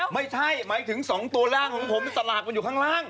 ไม่ใช่หมายถึง๒ตัวร่างของผมสลากมันอยู่ข้างล่าง